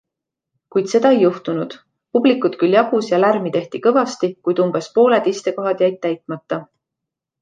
Kuid seda ei juhtunud. Publikut küll jagus ja lärmi tehti kõvasti, kuid umbes pooled istekohad jäid täitmata.